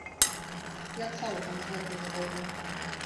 Я цалкам з гэтым згодны.